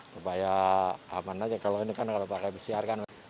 supaya aman aja kalau ini kan kalau pakai pcr kan